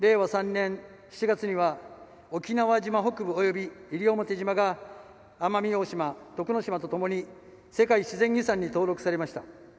３年７月には「沖縄島北部及び西表島」が奄美大島、徳之島とともに世界自然遺産に登録されました。